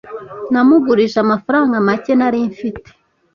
Namugurije amafaranga make nari mfite.